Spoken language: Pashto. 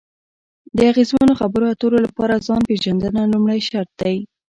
د اغیزمنو خبرو اترو لپاره ځان پېژندنه لومړی شرط دی.